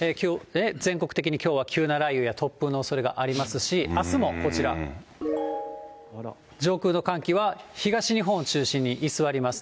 全国的にきょうは急な雷雨や突風のおそれがありますし、あすもこちら、上空の寒気は東日本を中心に居座ります。